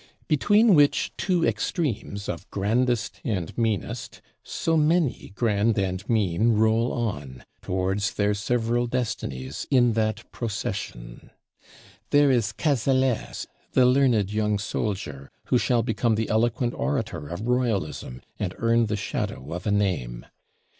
Between which two extremes of grandest and meanest, so many grand and mean roll on, towards their several destinies, in that Procession! There is Cazalès, the learned young soldier, who shall become the eloquent orator of Royalism, and earn the shadow of a name.